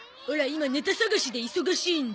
今ネタ探しで忙しいんで。